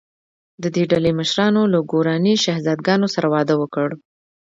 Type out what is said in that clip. د دې ډلې مشرانو له ګوراني شهزادګانو سره واده وکړ.